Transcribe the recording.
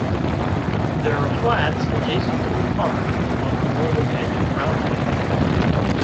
There are flats adjacent to the park and along the northern edge of Roundhay.